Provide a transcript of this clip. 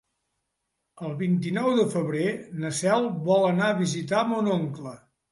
El vint-i-nou de febrer na Cel vol anar a visitar mon oncle.